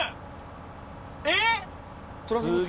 えっ？